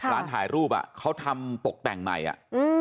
ร้านถ่ายรูปอ่ะเขาทำตกแต่งใหม่อ่ะอืม